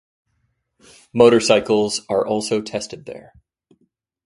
Motorcycles are also tested there.